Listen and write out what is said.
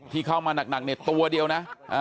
พีเข้ามาหนักตัวเดียวนะ